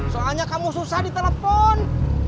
soalnya kamu susah di telpon